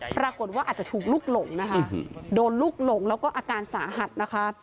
ปรากฏว่าอาจจะถูกลุกหลงนะคะโดนลูกหลงแล้วก็อาการสาหัสนะคะ